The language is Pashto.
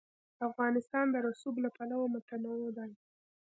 افغانستان د رسوب له پلوه متنوع دی.